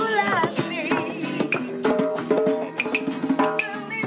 jauh matilah informasi